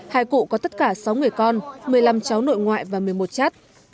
hai cụ có tất cả sáu người con một mươi năm cháu nội ngoại và một mươi một chát